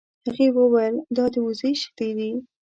هغې وویل دا د وزې شیدې دي.